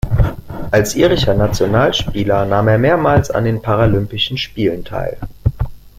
Als irischer Nationalspieler nahm er mehrmals an den Paralympischen Spielen teil.